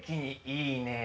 いいね！